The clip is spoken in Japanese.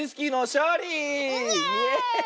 イエーイ！